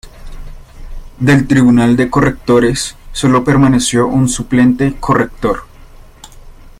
Del Tribunal de Correctores, sólo permaneció un suplente-corrector.